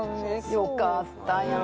よかったやん。